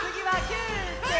９！